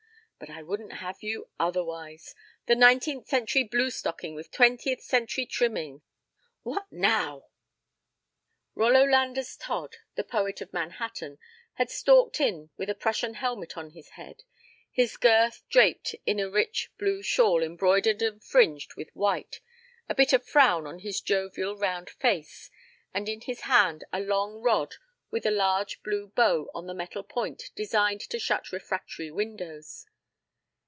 ... But I wouldn't have you otherwise. The nineteenth century bluestocking with twentieth century trimmings. ... What now?" Rollo Landers Todd, the "Poet of Manhattan," had stalked in with a Prussian helmet on his head, his girth draped in a rich blue shawl embroidered and fringed with white, a bitter frown on his jovial round face; and in his hand a long rod with a large blue bow on the metal point designed to shut refractory windows.